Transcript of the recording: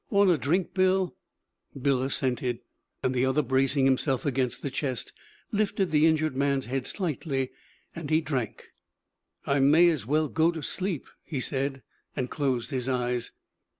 Want a drink, Bill?' Bill assented, and the other, bracing himself against the chest, lifted the injured man's head slightly and he drank. 'I may as well go to sleep,' he said, and closed his eyes.